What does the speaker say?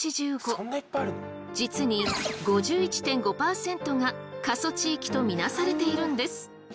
実に５１．５％が過疎地域と見なされているんです！